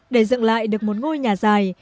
để dựng lại được một ngôi nhà dài